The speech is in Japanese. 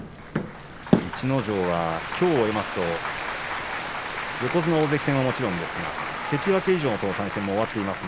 逸ノ城は、きょう終えますと横綱、大関戦はもちろんですが関脇以上との対戦は終わっています。